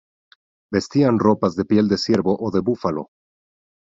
Vestían ropas de piel de ciervo o de búfalo.